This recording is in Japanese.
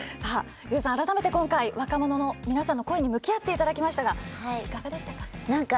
改めて今回若者たちの声に向き合っていただきましたがいかがでしたか？